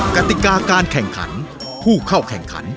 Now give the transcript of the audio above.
กติกาการแข่งขันผู้เข้าแข่งขัน